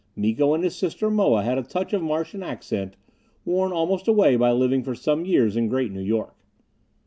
Miko and his sister Moa had a touch of Martian accent, worn almost away by living for some years in Great New York.